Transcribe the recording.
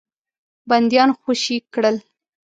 بندیان خوشي کړل.